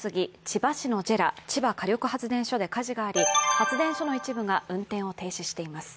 千葉火力発電所で火事があり、発電所の一部が運転を停止しています。